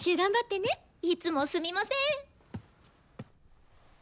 いつもすみません。